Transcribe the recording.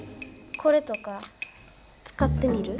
これとかつかってみる？